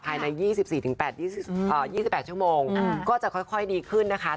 ภายใน๒๔๒๘ชั่วโมงก็จะค่อยดีขึ้นนะคะ